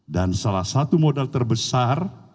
dan salah satu modal terbesar